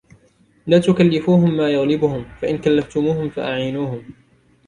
لاَ تُكَلِّفُوهُمْ مَا يَغْلِبُهُمْ، فَإِنْ كَلَّفْتُمُوهُمْ فَأَعِينُوهُمْ.